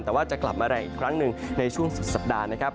แต่ว่าจะกลับมาแรงอีกครั้งหนึ่งในช่วงสุดสัปดาห์นะครับ